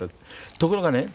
ところがね